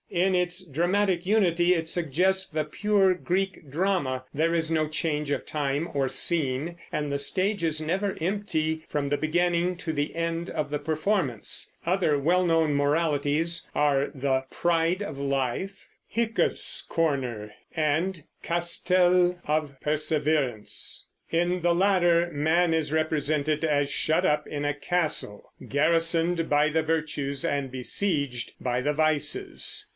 In its dramatic unity it suggests the pure Greek drama; there is no change of time or scene, and the stage is never empty from the beginning to the end of the performance. Other well known Moralities are the "Pride of Life," "Hyckescorner," and "Castell of Perseverance." In the latter, man is represented as shut up in a castle garrisoned by the virtues and besieged by the vices.